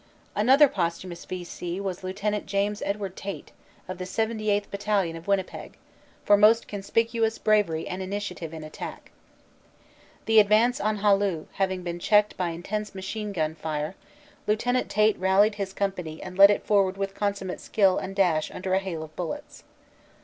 Another posthumous V. C. was Lieut. James Edward Tait, of the 78th. Battalion of Winnipeg, "for most conspicuous bravery and initiative in attack." The advance on Hallu having been checked by intense machine gun fire, Lieut. Tait rallied his company and led it forward with consummate skill and dash under a hail of bullets.